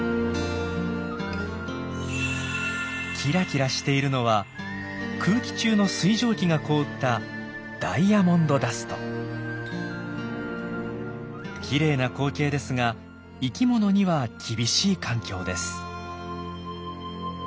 キラキラしているのは空気中の水蒸気が凍ったきれいな光景ですが生きものには厳しい環境です。